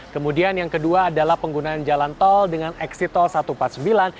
kemudian yang kedua adalah penggunaan jalan tol dengan exit tol satu ratus empat puluh sembilan